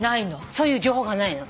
そういう情報がないの。